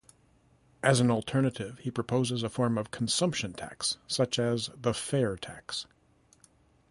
As an alternative, he proposes a form of consumption tax, such as the FairTax.